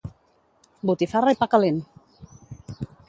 Botifarra i pa calent!